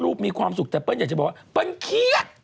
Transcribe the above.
หลุมภาความสุขแต่เพื่อนอยากจะบอกว่าเพื่อนเครียด